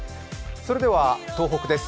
それでは東北です。